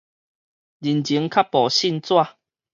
人情較薄信紙